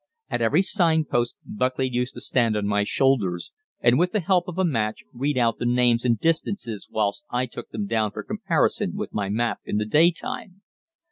At every sign post Buckley used to stand on my shoulders, and with the help of a match read out the names and distances whilst I took them down for comparison with my map in the day time.